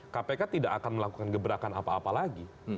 kpk tidak akan melakukan gebrakan apa apa lagi